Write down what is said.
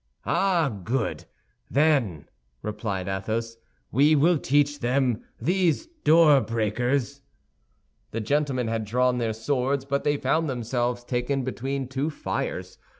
"Ah, good, then," replied Athos, "we will teach them, these door breakers!" The gentlemen had drawn their swords, but they found themselves taken between two fires.